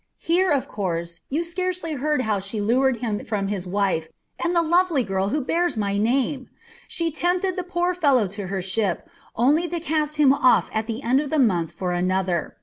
Here, of course, you scarcely heard how she lured him from his wife and the lovely little girl who bears my name. She tempted the poor fellow to her ship, only to cast him off at the end of a month for another.